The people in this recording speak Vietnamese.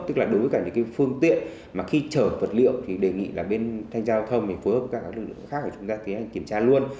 tức là đối với cả những cái phương tiện mà khi chở vật liệu thì đề nghị là bên thanh giao thông phối hợp các lực lượng khác của chúng ta tiến hành kiểm tra luôn